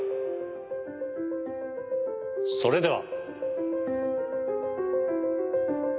それでは。